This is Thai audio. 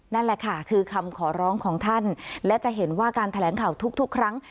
นั่นแหละค่ะคือคำขอร้องของท่านและจะเห็นว่าการแถลงข่าวทุกครั้ง